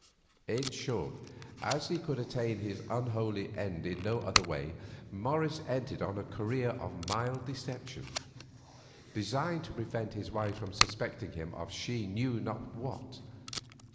In short, as he could attain his unholy end in no other way, Morris entered on a career of mild deception, designed to prevent his wife from suspecting him of she knew not what.